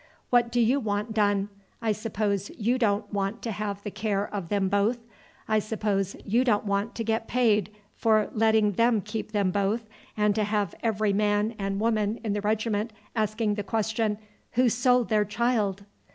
What do you want done? I suppose you don't want to have the care of them both. I suppose you don't want to get paid for letting them keep them both, and to have every man and woman in the regiment asking the question, Who sold their child?